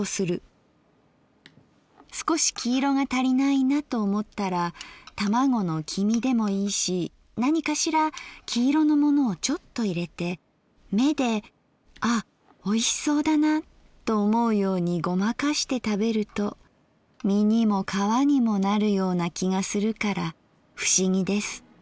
すこし黄色が足りないなと思ったら卵の黄身でもいいし何かしら黄色のものをちょっと入れて目で「あっおいしそうだな」と思うようにごまかして食べると身にも皮にもなるような気がするから不思議です」。